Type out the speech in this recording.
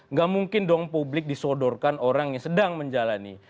nggak mungkin dong publik disodorkan orang yang sedang menjalani